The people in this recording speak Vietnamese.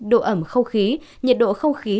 độ ẩm không khí nhiệt độ không khí